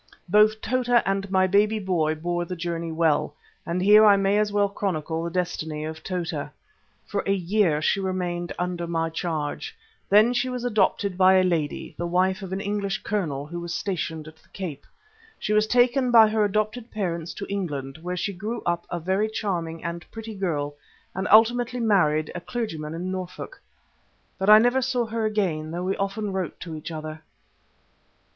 Both Tota and my baby boy bore the journey well. And here I may as well chronicle the destiny of Tota. For a year she remained under my charge. Then she was adopted by a lady, the wife of an English colonel, who was stationed at the Cape. She was taken by her adopted parents to England, where she grew up a very charming and pretty girl, and ultimately married a clergyman in Norfolk. But I never saw her again, though we often wrote to each other.